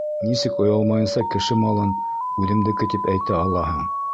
Нисек оялмайынса кеше малын «үҙемдеке» тип әйтә алаһың?